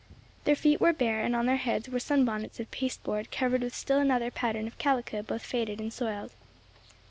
Their feet were bare, and on their heads were sunbonnets of pasteboard covered with still another pattern of calico both faded and soiled.